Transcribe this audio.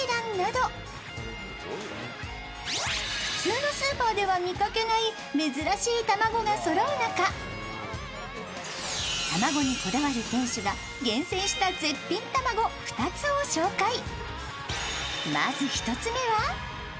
普通のスーパーでは見かけない珍らしい卵がそろう中、卵にこだわる店主が厳選した絶品卵を紹介。